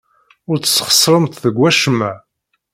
Ur tesxeṣremt deg wacemma.